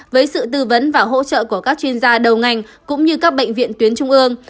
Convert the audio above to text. với sự tư vấn và hỗ trợ của các chuyên gia đầu ngành cũng như các bệnh viện tuyến trung ương